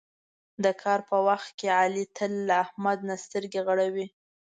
د کار په وخت کې علي تل له احمد نه سترګې غړوي.